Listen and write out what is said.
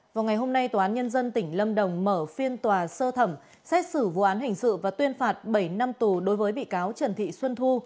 vào ngày hôm nay tòa án nhân dân tỉnh lâm đồng mở phiên tòa sơ thẩm xét xử vụ án hình sự và tuyên phạt bảy năm tù đối với bị cáo trần thị xuân thu